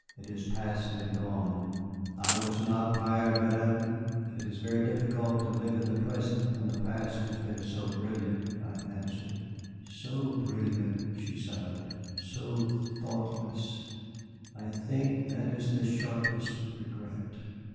It is past and gone." "I was not tired, Madame. It is very difficult to live in the present when the past has been so brilliant," I answered. "So brilliant!" She sighed. "So thoughtless, I think that is the sharpest regret."